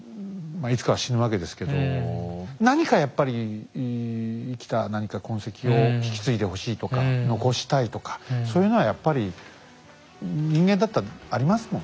あいつかは死ぬわけですけど何かやっぱり生きた何か痕跡を引き継いでほしいとか残したいとかそういうのはやっぱり人間だったらありますもんね。